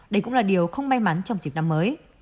đây cũng là điều không may mắn trong dịp năm mới